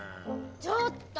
ちょっと！